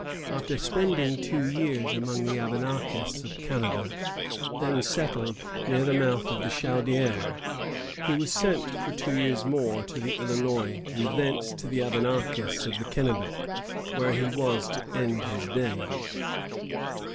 After spending two years among the Abenakis of Canada, then settled near the mouth of the Chaudière, he was sent for two years more to the Illinois, and thence to the Abenakis of the Kennebec, where he was to end his days.